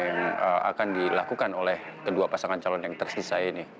yang akan dilakukan oleh kedua pasangan calon yang tersisa ini